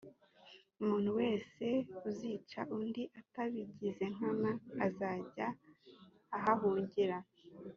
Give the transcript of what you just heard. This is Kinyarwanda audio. umuntu wese uzica undi atabigize nkana, azajya ahahungira.